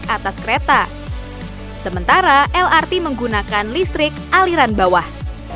ketika mrt menggunakan listrik atas kereta sementara lrt menggunakan listrik aliran bawah